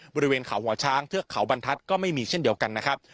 บริเวณเขาหัวช้างเทือกเขาบรรทัศน์ก็ไม่มีเช่นเดียวกันนะครับ